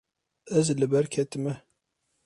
Ez li ber ketime.